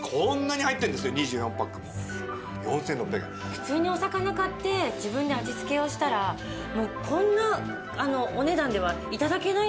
普通にお魚買って自分で味付けをしたらこんなお値段では頂けないですよ。